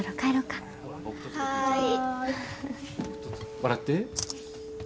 笑って。